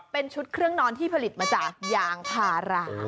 เป็นชุดเครื่องนอนที่ผลิตมาจากยางพารา